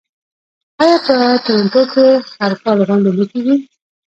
آیا په تورنټو کې هر کال غونډه نه کیږي؟